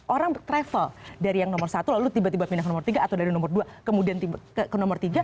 orang travel dari yang nomor satu lalu tiba tiba pindah ke nomor tiga atau dari nomor dua kemudian ke nomor tiga